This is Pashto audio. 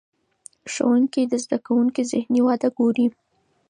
ښوونکي د زده کوونکو ذهني وده ګوري.